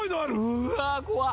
うわーっ！